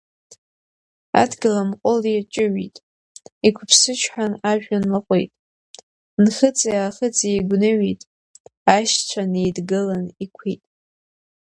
Адгьыл амҟәыл иаҷыҩит, иқәыԥсычҳан ажәҩан лаҟәит, Нхыҵи-Аахыҵи еигәныҩит, Аишьцәа неидгылан иқәит.